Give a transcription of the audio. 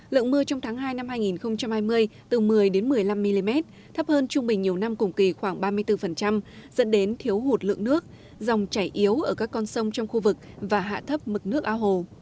lượng mưa trong tháng hai năm hai nghìn hai mươi từ một mươi một mươi năm mm thấp hơn trung bình nhiều năm cùng kỳ khoảng ba mươi bốn dẫn đến thiếu hụt lượng nước dòng chảy yếu ở các con sông trong khu vực và hạ thấp mực nước ao hồ